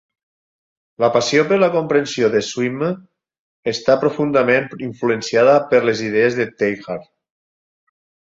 La passió per la comprensió de Swimme està profundament influenciada per les idees de Teilhard.